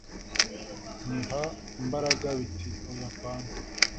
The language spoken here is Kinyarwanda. niha imbaraga biti : oya apana